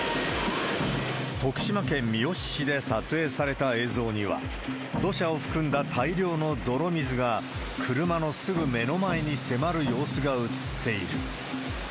徳島県三好市で撮影された映像には、土砂を含んだ大量の泥水が車のすぐ目の前に迫る様子が映っている。